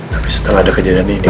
tapi setelah ada kejadian ini